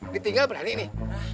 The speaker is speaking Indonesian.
ditinggal berani nih